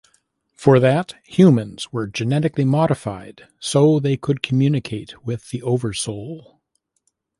For that, humans were genetically modified so they could communicate with the Oversoul.